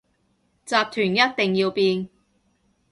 集團一定要變